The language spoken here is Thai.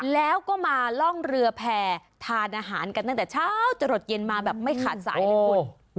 แล้วก็มาล่องเรือแผ่ทานอาหารกันตั้งแต่เช้าจะหลดเย็นมาแบบไม่ขาดสายเลยคุณ